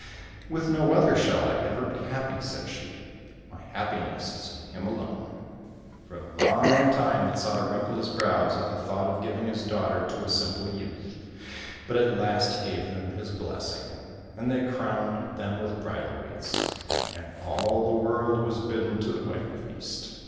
" With no other shall I ever be happy," said she ;" my happiness is in him alone !" For a long time the Tsar wrinkled his brows at the thought of giving his daughter to a simple youth ; but at last he gave them his blessing, and they crowned them with bridal wreaths, and all the world was bidden to the wedding feast.